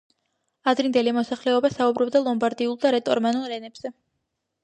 ადრინდელი მოსახლეობა საუბრობდა ლომბარდიულ და რეტორომანული ენებზე.